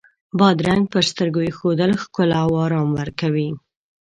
بادرنګ پر سترګو ایښودل ښکلا او آرام ورکوي.